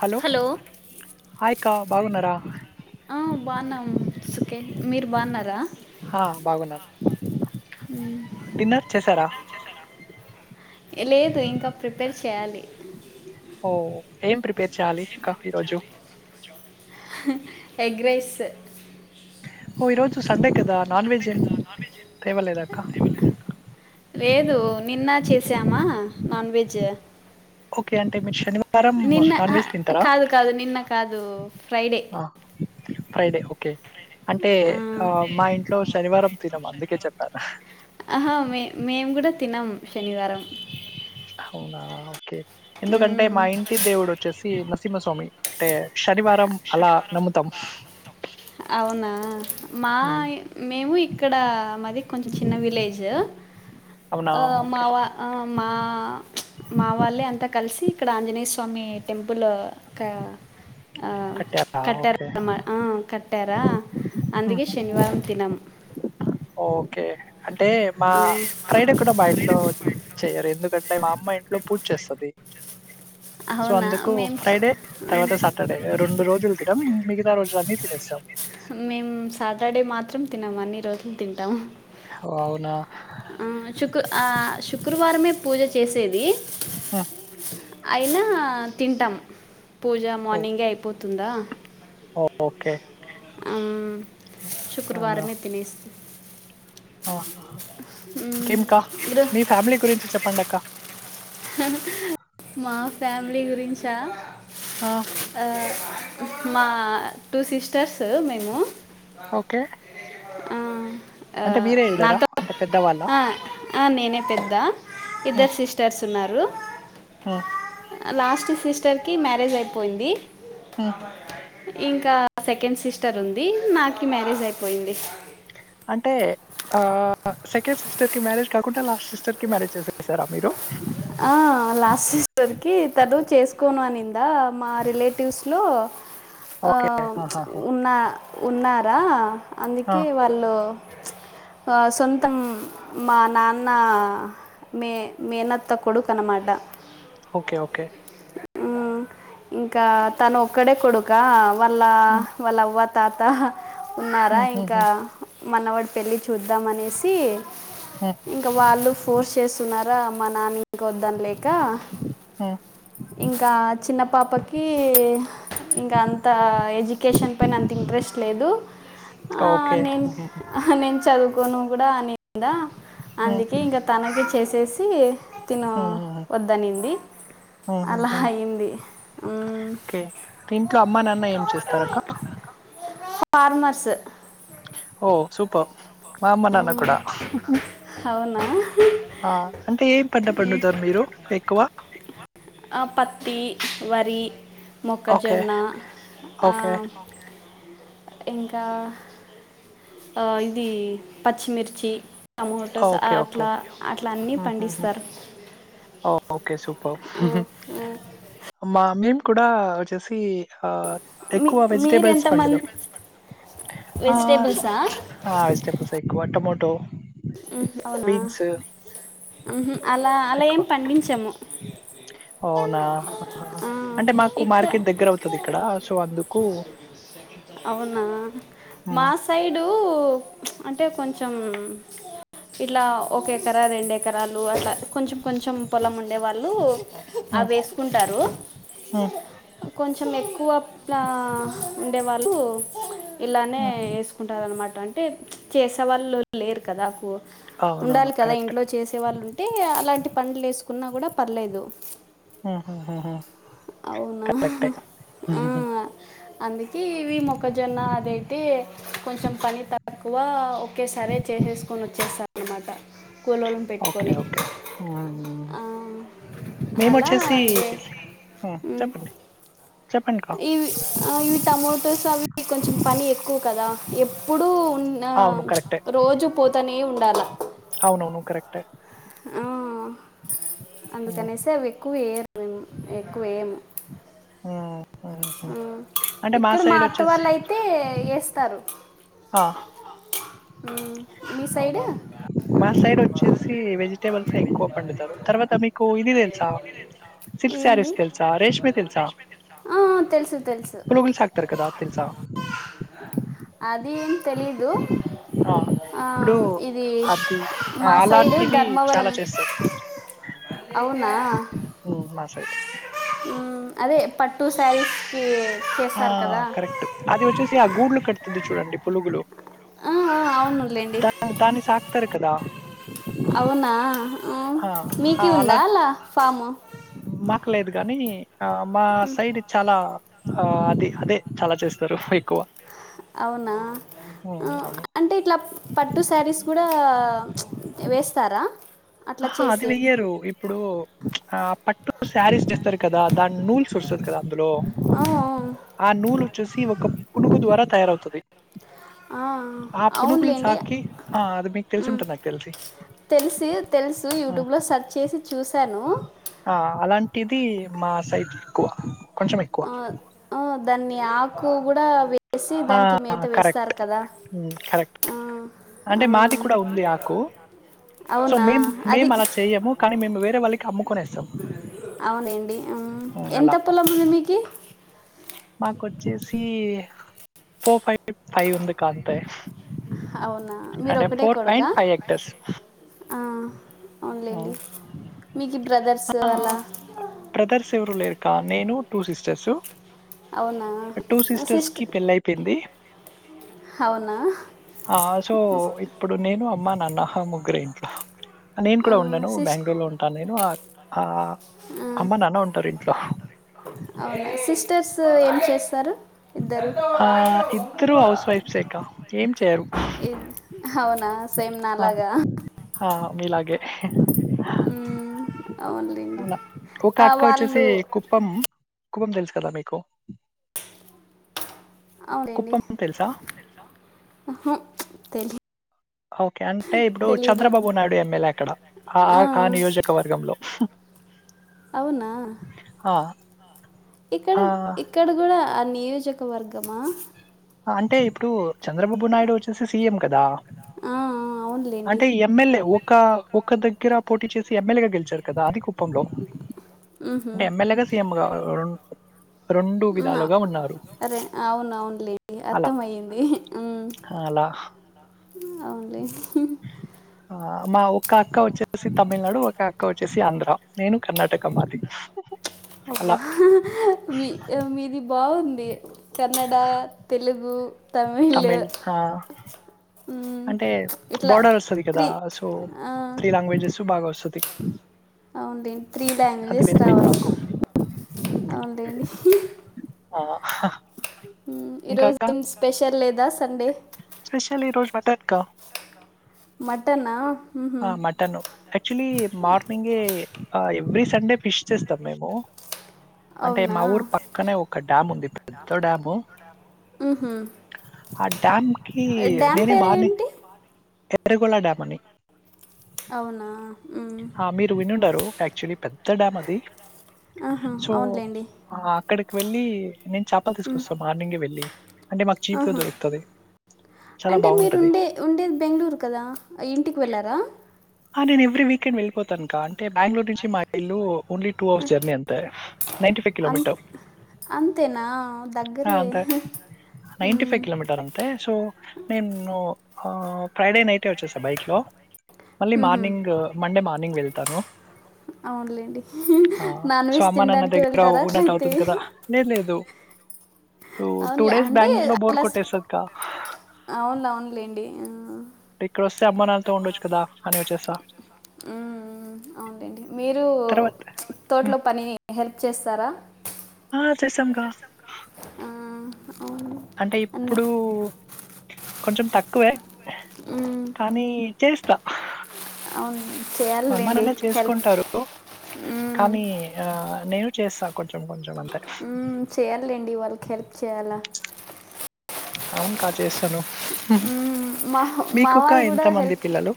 Hello hi అక్క బాగున్నారా ఆ బాగున్నాం సుఖే మీరు బాగున్నారా ఆ బాగున్నాను డిన్నర్ చేసారా లేదు ఇంకా ప్రిపేర్ చేయాలి ఓ ఏం ప్రిపేర్ చెయ్యాలి అక్క ఈరోజు ఎగ్ రైస్ ఓ ఈరోజు సండే కదా నాన్ వెజ్ ఏం తేవలేదాక్క లేదు నిన్న చేసామా నాన్ వెజ్ ఓకే అంటే మీరు శనివా నిన్న కాదు కాదు నిన్న కాదు ఫ్రైడే ఫ్రైడే ఓకే అంటే ఆ మా ఇంట్లో శనివారం తినం అందుకే చెప్పాను ఆహా మే మేము కూడా తినం శనివారం అవునా ఓకే ఎందుకంటే మ్మ్. మా ఇంటి దేవుడు వచ్చేసి నరసింహస్వామి అంటే శనివారం అలా నమ్ముతాం అవునా మా ఉమ్, మేము ఇక్కడ మాది కొంచెం చిన్న విలేజ్ అవునా ఓకే మావా ఆ మా మా వాళ్ళే అంతా కలిసి ఇక్కడ ఆంజనేయ స్వామి టెంపుల్ క ఆ కట్టారా ఓకే కట్టారా ఆ కట్టారా ఉమ్, ఉమ్. అందుకే శనివారం తినం ఓకే అంటే మా ఆ, ఫ్రైడే కూడా మా ఇంట్లో చెయ్యరు ఎందుకు ఫ్రైడే మా అమ్మ ఇంట్లో పూజ చేస్తది సో అవునా అందుకు మేము ఫ్రైడే తర్వాత స సాటర్డే రెండు రోజులు తినము మిగతా రోజులన్నీ తినేస్తాం మేము సాటర్డే మాత్రం తినం అన్ని రోజులు తింటాం ఓ అవునా ఆ శుక్ ఆ శుక్రవారమే పూజ చేసేది. ఆ అయినా తింటాం పూజ ఓ మార్నింగే అయిపోతుందా ఓ ఓకే ఆ శుక్రవారమే తినేసి ఆ ఇంకేం అక్క ఇదో మీ ఫ్యామిలీ గురించి చెప్పండి అక్క మా ఫ్యామిలీ గురించా ఆ! ఆ మా టూ సిస్టర్సు మేము ఓకే. ఆ ఆ అంటే మీరే ఎల్డరా? నాతో అంటే పెద్దవాళ్ళా? ఆ ఆ నేనే పెద్ద ఇద్దరు సిస్టర్స్ ఉన్నారు. హమ్ లాస్ట్ సిస్టర్ కి మ్యారేజ్ అయిపోయింది. హ్మ్. ఇంకా సెకండ్ సిస్టర్ ఉంది నాకి మ్యారేజ్ అయిపోయింది. అంటే ఆ సెకండ్ సిస్టర్ కి మ్యారేజ్ కాకుండా లాస్ట్ సిస్టర్ కి మ్యారేజ్ చేసేసారా మీరు ఆ లాస్ట్ సిస్టర్ కి తను చేసుకోను అనింది కదా మా రిలేటివ్స్ లో ఆ ఓకే. చ్ ఆహాహా! ఉన్నా ఉన్నారా ఆ! అందుకే వాళ్ ళ్ళు చ్ ఆ సొంతం మా నాన్న మే మేనత్ త్త కొడుకు అనమాట ఓకే ఓకే ఊ ఇంకా తను ఒక్కడే కొడుకా వాళ్ళ హ్మ్. వాళ్ళవ్వ తాత ఉన్నారా హ్మ్. హ్మ్. ఇంకా హ్మ్. మనవుడి పెళ్ళి చూద్దాం అనేసి హ్య ఇంకా వాళ్ళు ఫోర్స్ చేస్తున్నారా మా నాన్ని ఇంకోద్దన్లేకా ఇంకా చిన్న పాపకీ ఇంకా అంత ఎడ్యుకేషన్ పైనా అంత ఇంట్రెస్ట్ లేదు. ఆ ఓకే నేన్ ఆహా నేను చదువుకోను కూడా అనిందా అందుకే ఇంకా తనకే చేసేసి తిను వద్దనింది అలా అయింది మ్, ఓకే ఇంట్లో అమ్మా నాన్న ఏం చేస్తారక్క ఫార్మర్స్ ఓ సూపబ్ మా అమ్మ నాన్న మ్, కూడా అహహు అవునా ఆ అంటే ఏం పంట పండుతారు మీరు ఎక్కువ ఆ పత్తి వరి ఓకే మొక్కజొన్న ఆ ఓకే ఇంకా ఆ ఇది పచ్చిమిర్చి టమోటోస ఓకే ఓకే అట్లా అట్లా అన్ని పండిస్తారు ఆ ఓకే సూపర్ ఆ, మా మేము కూడా వోచ్చేసి హా మీ ఎక్కువ వెజిటేబెల్స్ మీరెంతమంది పండుదాం ఆ వెజిటేబుల్సా ఆ వెజిటెబుల్స్ ఎక్కువ టమోటో ఉహు అవునా ఉహు అలా అలా ఎక్కువ ఏం పండించము అవునా అహహ ఆ, అంటే మాకు ఇక్క మార్కెట్ దగ్గర అవుతది ఇక్కడ సో అందుకు అవునా ఉమ్, మా సైడు చ్ అంటే కొంచెం [inaudible] ఇట్లా ఒక ఎకర రెండెకరాలు అట్లా కొంచెం కొంచెం పొలం ఉండేవాళ్ళు అవి ఉమ్, వేసుకుంటారు ఉమ్, కొంచెం ఎక్కువ ప్ల ఉండే వాళ్ళు ఇలానే యేసు కుంటారన్నమాట అంటే చ్ చేసేవాళ్ళు లేరు కదా కు అవునవును ఉండాలి కదా కరెక్టే. ఇంట్లో చేసేవాళ్ళు ఉంటే అలాంటి పన్లు వేసుకున్నా కూడా పర్లేదు. ఉహుహు అవునా కరెక్టే ఆ, ఉహుహు అందుకే ఇవి మొక్కజొన్న అది అయితే కొంచెం పని తక్కువ ఒకేసారె చేసేసుకొని వచ్చేస్తారనమాట కూలొల్లు ఓకే ఓకే ఉ మేము అలా వొచ్చేసి ఇదే ఉ ఉమ్. చెప్పండి చెప్పండిక ఇవి ఆ ఇవి టమోటోస్ అవి కొంచెం పని ఎక్కువ కదా ఎప్పుడూ ఉన్న అవును చ్ కరెక్టే. రోజు పోతానే ఉండాలా అవునవును కరెక్టే ఆ హ్మ్. అందుకనేసి అవి ఎక్కువ వేయరు ఎక్కువ వేయము ఊ హు ఊ ఇక్కడ మా అత్త వాళ్ళు అయితే ఏస్తారు ఆహ్ మీ మీ సైడు అవునా! తేవల్సే ఎక్కువ పండుతారు తర్వాత మీకు ఇది తెలుసా సిల్క్ శారీస్ ఏంది తెల్సా రేష్మి తెల్సా ఆ, తెలుసు తెలుసు పులువీసక్కరు కదా అది తెలుసా అది ఏం తెలీదు ఆ ఇప్పుడు ఇది అది ఆ, మా సైడు అలాంటివి దర్ వరం చాలా చేస్తారు. అవునా హ్మ్. మా సైడ్. ఊ అదే పట్టు శారీస్ కి ఆ చేసారు కదా కరెక్ట్ అది వచ్చేసి ఆ గూడ్లు కడుతుంది చూడండి పులుగులు ఆ, ఆ, అవునులేండి దా దాన్ని సా క్తరు కదా అవునా ఆ మీకీ ఉందా అలా ఫాము మాకు లేదు గానీ ఆ మా సైడ్ చాలా ఆ అది అదే చాలా చేస్తారు ఫీకో అవునా ఊ అవును అంటే ఇట్లా పట్టు శారీస్ కూడా వేస్తారా అట్లా అహ్హ అది చేసి వెయ్యరు ఇప్పుడు ఆ పట్టు శారీస్ చేస్తారు కదా దాని నూల్స్ వస్తుది కదా అందులో ఆ, ఆ నూలు చూసి ఒక పులుగు ద్వారా తయారవుతది ఆ, ఆ పునుగులు అవునులేండి సాకి ఆ అది మీకు తెలిసి ఉమ్, ఉంటుంది నాకు తెలిసి తెలిసి తెలుసు ఆ, యూట్యూబ్లో సెర్చ్ చేసి చూశాను ఆ అలాంటిది మా సైట్ ఎక్కువ ఎక్కువ ఆ ఆ దాన్ని ఆకు కూడా వె ఆ కరెక్ట్ ఉమ్ కరెక్ట్ ఆ, అంటే ఆ, మాది కూడా ఉంది ఆకు సో అవునా మేం మేం అది అలా చెయ్యము కానీ మేము వేరే వాళ్ళకి అమ్ముకొనేస్తాం అవునేండి ఉమ్ ఎంత అలా పొలం ఉంది మీకి మాకోచ్చేసి ఫో ఫైవ్ ఫైవ్ ఉంది కాంతే అవునా మీరు ఒక్కడే కొడుకా ఫైవ్ హెక్టర్స్ ఆ అవున్లేండి మీకి బ్రదర్సు అలా బ్రదర్స్ ఎవరూ లేరు కా నేను టూ సిస్టర్సు అవునా టూ సిస్టర్స్ కి సిస్టర్ పెళ్లి అయిపోయింది అవునా ఆ సో ఇప్పుడు నేను అమ్మా నాన్న హో ముగ్గురే‌ ఇంట్లో నేను కూడా ఉండను సిస్టర్ బ్యాంగళూరులో ఉంటా నేను ఆ ఆ అమ్మ నాన్న ఉంటారు ఇంట్లో అవునా సిస్టర్సు ఏం చేస్తారు ఇద్దరూ ఆ, ఇద్దరు హౌస్ వైఫ్సే కా ఏం చేయరు ఇ హవునా సేమ్ నాలాగా హా మీలాగే ఉమ్, అవునులేండి అలా ఒక ఆ, అక్క వచ్చేసి వాళ్ళు కు ప్పం కుప్పం తెలుసు కదా మీకు ఔ కుప్పం తెలుసా లేండిహూ తెలీ ఓకే అంటే ఇప్పుడు చంద్రబాబు నాయుడు ఎమ్మెల్యే అక్కడ హా ఆ నియోజకవర్గంలో అవునా ఆ ఇక్కడ ఆ, ఇక్కడ గూడా ఆ నియోజకవర్గమా. అంటే ఇప్పుడూ చంద్రబాబు నాయుడు వచ్చేసి సీఎం కదా ఆ ఆ అవున్లె అంటే ఎమ్మెల్యే ఒకా ఒక్క దగ్గర పోటీ చేసి ఎమ్మెల్యేగా గెలిచాడు కదా అది గొప్. పొంగ్ బ్లాక్ మ్హూ. అంటే ఎమ్ఎల్ఏగా సీఎమ్గా అమ్మా అరే అవున్ అవునులేండి అలా అర్థమయ్యింది ఊ అలా అవున్లే ఆ మా ఒక్క అక్కా వచ్చేసి తమిళనాడు ఒక అక్కా వచ్చేసి ఆంధ్రా నేను కర్ణాటకా మాది. అబ్బా అలా మీ మీది బాగుందీ. కన్నడా, తెలుగు తమిళ్ హా మ్, అంటే ఇట్లా బార్డర్ వస్తది కదా త్రీ సో ఆ, త్రీ లాంగ్వేజెస్ బాగా వస్తది. అవునండి త్రీ అది లాంగ్వేజెస్ బెనిఫిట్ రావాల నాకు అవున్ లేండి. ఆ అహా ఊ ఈరోజు ఏం స్పెషల్ లేదా సండే. స్పెషల్ ఈరోజు మటన్ అక్కా మటన్ ఆ ఆ మటను యాక్చువలీ మార్నింగే ఆ ఎవ్రీ సండే ఫిష్ చేస్తాం మేము. అంటే అవునా మా ఊరు పక్కనే ఒక డ్యామ్ ఉంది పెద్ద డ్యాము. మ్హూ. ఆ డ్యామ్కి డ్యామ్ నేనే మార్నింగ్ పేరేంటి ఎర్రగోళ డ్యామ్ అండి. అవునా మ్. ఆ మీరు వినుండరు యాక్చువలీ పెద్ద డ్యామ్ అది ఆహా, సో. అవునులేండి ఆ అక్కడికి వెళ్ళీ నేన్ చేప్ మ్. తీసుకొస్తా మార్నింగే వెళ్ళీ అంటే మాకు చీప్ గా ఆహా. దొరుకుతది చాలా అంటే మీరు బాగుంటది. ఉండే ఉండేది బెంగళూరు కదా ఇంటికి వెళ్ళారా. ఆ నేను ఎవ్రీ వీకెండ్ వెళ్ళిపోతానకా అంటే బెంగళూరు నుంచి మా ఇల్లూ ఓన్లీ టూ అవర్స్ జర్నీ అంతే. అం కి. అంతేనా దగ్గరే నైన్టీ ఫై మ్. కిలోమీటర్ అంత్ తే సో నేను ఆ ఫ్రైడే నైటే వచ్చేస్తా బైక్ లో మళ్ళీ మ్హూ. మార్నింగూ మండే మార్నింగ్ వెళ్తాను. అవునులేండి ఆ నాన్ సో వెజ్ అమ్మా నాన్న తినడానికి దగ్గర వెళ్తారా ఉన్నట్ అట్లయితే అవుతుంది కదా. లేదు లేదు ఇప్పుడు టూ అవునులే డేస్ అంటే బెంగళూరు లో బోర్ అలా కొట్టేస్తది అక్కా. అవును అవునులేండి ఆ ఇక్కడొస్తే అమ్మా నాన్న్ ఊ ఊ అవున్ లేండి మీరూ తర్వాత హ్మ్. తోటలో పనీ హెల్ప్ చేస్తారా ఆ చేసాంగా ఆ, అవును అంటే అన్ని ఇప్పుడూ కొంచెం తక్కువే మ్మ్. కానీ. చేయిస్తా హా అవును చేయాలండి అమ్మానాన్నే హెల్ప్ చేస్కుంటారూ మ్మ్. కానీ. ఆ నేనూ చేస్సా కొంచం కొంచం అంతే. ఊ చెయ్యాలి లేండి వాళ్ళకి హెల్ప్ చేయాళా. అవునుకా చేసాను మ్మ్. మా మా మీకుకా వాళ్ళు ఎంత కూడా మంది హెల్ప్ పిల్లలు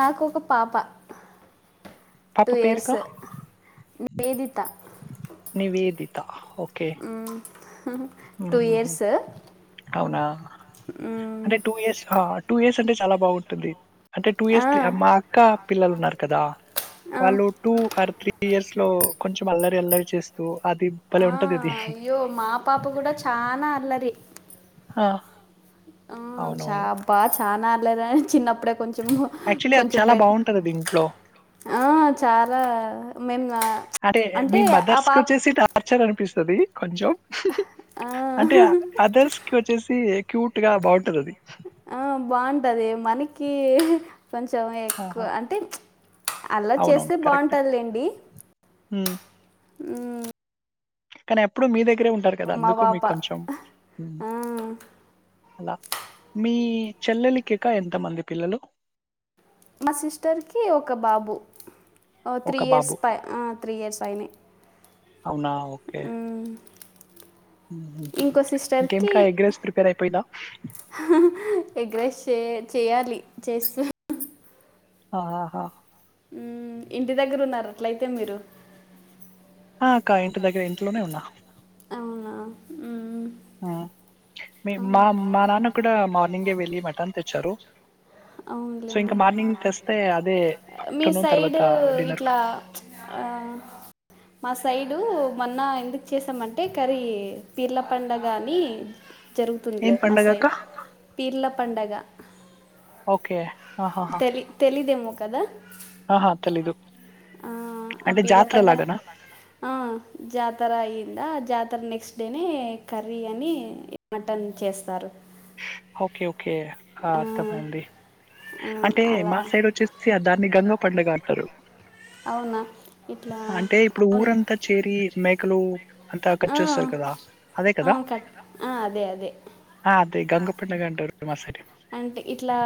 నాకు ఒక పాప పాప టూ ఇయర్స్ పేరు‌కా? నే వేదిత నివేదిత ఓకే ఊ ఆ ఆ ఔనా అంటే టూ ఇయర్స్ హాట్ టూ ఇయర్స్ అంటే చాలా బావుంటుందీ అంటే టూ ఆ, ఇయర్స్ త్రీ మా అక్కా పిల్లలున్నారు కదా ఆ. వాళ్ళు టూ ఆర్ త్రీ ఇయర్స్ లో కొంచం అల్లరి అల్లరి చేస్తూ అదీ ఆ, బలే ఉంటది అదీ అయ్యో మా పాప గుడ చానా అల్లరి హా ఆ చా అబ్బా చానా అల్లరనే చిన్నప్పుడే కొంచ్ కొంచం యాక్చువల్లీ అది కొంచం చాలా బెట్ బావుంటదది ఇంట్లో. ఆ చాలా మేం ఆ అంటే మీ ఆ పాప్ మదర్స్‌కొచ్చేసి టార్చర్ అన్పిస్తదీ కొంచం. ఆ, అంటే అదర్స్కొచ్చేసీ క్యూట్గా బావుంటదదీ ఆ బావుంటదీ మనకీ ఆ కొంచం ఎక్కువ ఆహా! అంటే అల్లరి చేస్తే బావుంటాద్లెండీ ఉ ఊ కానెప్పుడూ మీ దగ్గరే ఉంటారు కదా మా అందుకు పాప మీక్కొంచం ఆ, అలా మీ చెల్లెలికిక ఎంత మంది పిల్లలు మ సిస్టర్కీ ఒక బాబు ఒ త్రీ ఒక ఇయర్స్ బాబు. పై ఆ త్రీ ఇయర్స్ అయనయ ఔనా ఓ ఊ ఉహు ఇంకెంకా ఎగ్ రైస్ ప్రిపేర్ అయిపోయిందా ఎగ్రైస్ చే చేయాలి చేస్తూ ఆహ ఊ ఇంటి దగ్గరున్నారా అట్లైతె మీరు ఆఁఅక్కా ఇంటి దెగ్గర ఇంట్లోనే ఉన్నా ఔనా ఊ ఊ మీ మా మా నాన్న కుడా మార్నింగే వెళ్లీ మటన్ తెచ్చారూ ఔన్లేండి అదే మీ ఆఫ్టర్‌నూన్ తర్వాత సైడూ డిన్నర్. ఇట్లా ఆ మ సైడూ మొన్నా ఎందుకు చేసామంటే కర్రీ పీర్ల పండగా అనీ జరుగుతుంద్లే ఏం మ పండగక్క? సైడ్ పీర్ల పండగ ఓకే ఆ హా హా తెలి తెలిదేమో కదా తెలీదు. ఆ అ అంటే పీర్ల జాతర పండక్ లాగానా? ఆ జాతర అయ్యిందా జాతర్ నెక్స్ట్ డేనే కర్రీ అనీ మటన్ చేస్తారు ఓకే ఓకే ఆ అర్ధం అయింది ఆ, అంటే అలా మా సైడ్ వచ్చేసీ దాన్ని గంగ పండగ అంటరు న ఇట్లా అవును ఊరంత చేరీ మేకలు అంతా ఆ, అకర్చొస్తది కదా అదే ఆ, కదా కట్ ఆ, అదే అదే ఆ అదే గంగ కు పండగ అంటరు మరుసటి అంటే ఇట్లా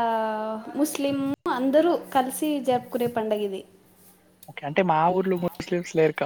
ముస్లిం అందరూ కలిసి జరుపుకునే పండుగ ఇది ఓకే అంటే మా ఊర్లో ముస్లిమ్స్ లేరుక